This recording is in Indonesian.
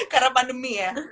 karena pandemi ya